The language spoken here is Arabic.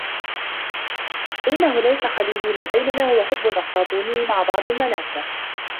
إنه ليس خليلي ، ما بيننا هو حب أفلاطوني مع بعض المنافع!